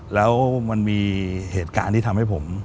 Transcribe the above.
แล้วมันมีเหตุการณ์ที่ทำให้ผม